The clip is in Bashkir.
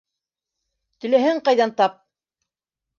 Теләһәң ҡайҙан тап!